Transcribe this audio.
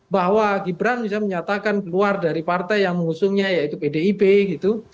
bahwa gibran misalnya menyatakan keluar dari partai yang mengusungnya yaitu pdip gitu